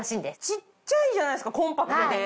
小っちゃいじゃないですかコンパクトで。